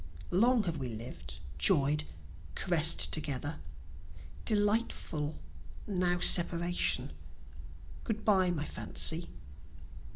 Long have we lived, joy'd, caress'd together; Delightful! now separation Good bye my Fancy.